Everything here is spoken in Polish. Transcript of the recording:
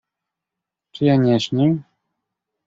"Czy ja nie śnię?"